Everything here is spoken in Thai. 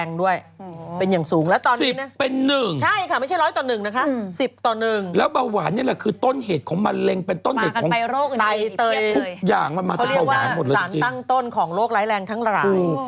เขาเรียกว่าสารตั้งต้นของโรคไร้แรงทั้งหลายคือ